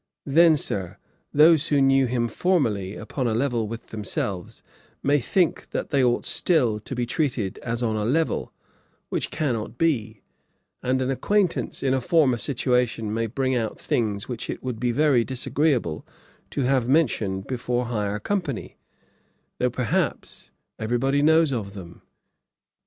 Then, Sir, those who knew him formerly upon a level with themselves, may think that they ought still to be treated as on a level, which cannot be; and an acquaintance in a former situation may bring out things which it would be very disagreeable to have mentioned before higher company, though, perhaps, every body knows of them.'